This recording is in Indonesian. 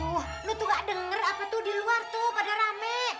wah lu tuh gak denger apa tuh di luar tuh pada rame